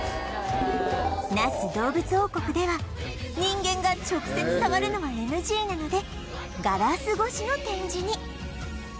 那須どうぶつ王国では人間が直接触るのは ＮＧ なのでガラス越しの展示に